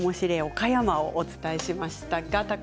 岡山をお伝えしました。